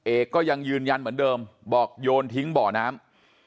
เอกก็ยังยืนยันเหมือนเดิมบอกโยนทิ้งบ่อน้ำ